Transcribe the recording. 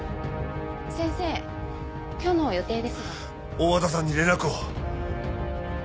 大和田さんに連絡を！